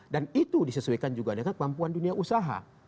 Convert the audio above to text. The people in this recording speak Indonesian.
dan itu disesuaikan juga dengan kemampuan dunia usaha